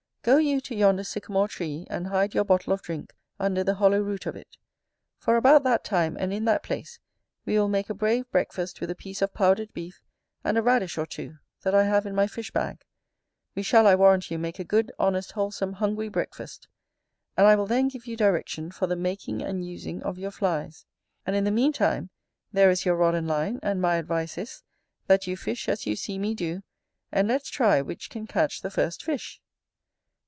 Go you to yonder sycamore tree, and hide your bottle of drink under the hollow root of it; for about that time, and in that place, we will make a brave breakfast with a piece of powdered beef, and a radish or two, that I have in my fish bag: we shall, I warrant you, make a good, honest, wholesome hungry breakfast. And I will then give you direction for the making and using of your flies: and in the meantime, there is your rod and line; and my advice is, that you fish as you see me do, and let's try which can catch the first fish.